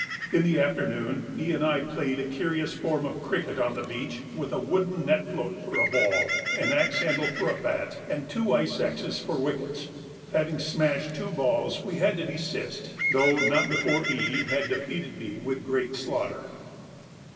In the afternoon E. and I played a curious form of cricket on the beach with a wooden net float for a ball, an axe handle for a bat, and two ice axes for wickets. Having smashed two balls, we had to desist, though not before E. had defeated me with great slaughter.